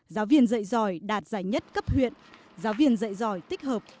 giáo viên dạy giỏi đạt giải nhất cấp huyện giáo viên dạy giỏi tích hợp